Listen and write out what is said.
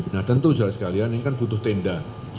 nah tentu jelas kalian ini kan butuh tenda